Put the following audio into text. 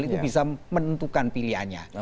itu bisa menentukan pilihannya